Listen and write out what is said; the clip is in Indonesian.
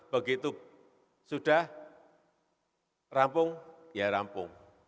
begitu sudah rampung ya rampung